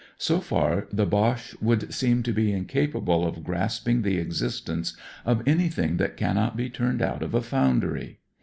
So far, the Boche would seem to be incapable of grasping the existence of anything that cannot be turned out of a foimdry.